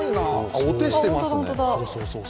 お手してますね。